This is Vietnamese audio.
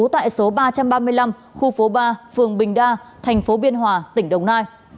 tại số ba trăm ba mươi năm khu phố ba phường bình đa tp biên hòa tỉnh đồng nai